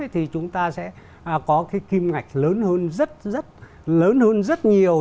thì chúng ta sẽ có cái kim ngạch lớn hơn rất nhiều